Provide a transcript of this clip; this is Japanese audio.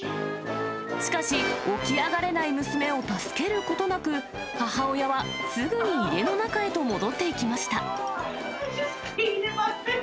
しかし、起き上がれない娘を助けることなく、母親はすぐに家の中へと戻っていきました。